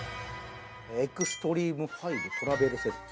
エクストリーム５トラベルセット。